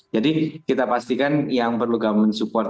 jadi kita pastikan yang perlu government support